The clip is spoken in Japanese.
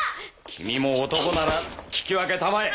君も男なら聞き分けたまえ！